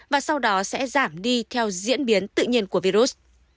và sau đó sẽ giảm đi theo diễn biến tự nhiên của virus